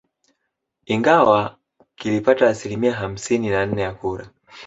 Ingawa kilipata asilimia hamsini na nne ya kura